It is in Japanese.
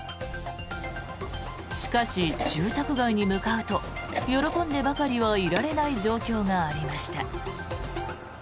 しかし、住宅街に向かうと喜んでばかりはいられない状況がありました。